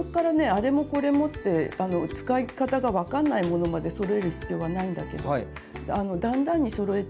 「あれもこれも」って使い方が分かんないものまでそろえる必要はないんだけどだんだんにそろえていくといいと思います。